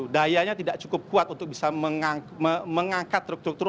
dayanya tidak cukup kuat untuk bisa mengangkat truk truk truk